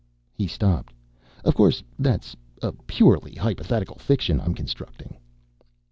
He stopped. "Of course that's a purely hypothetical fiction I'm constructing."